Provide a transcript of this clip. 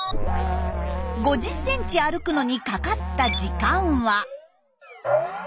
５０ｃｍ歩くのにかかった時間は。